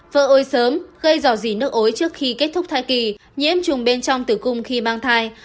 vỡ ối sớm gây dỏ dỉ nước ối trước khi kết thúc thai kỳ nhiễm trùng bên trong thư cung khi mang thai